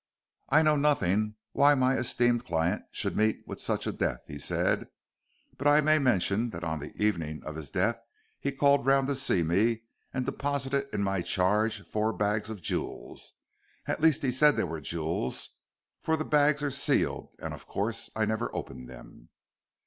"I know nothing why my esteemed client should meet with such a death," he said, "but I may mention that on the evening of his death he called round to see me and deposited in my charge four bags of jewels. At least he said they were jewels, for the bags are sealed, and of course I never opened them."